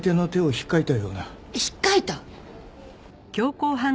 引っかいた？